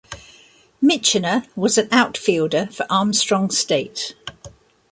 Michener was an outfielder for Armstrong State.